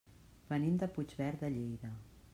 Venim de Puigverd de Lleida.